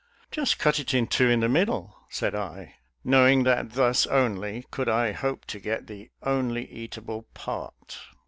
" Just cut it in two in the middle," said I, knowing that thus only could I hope to get the only eatable part.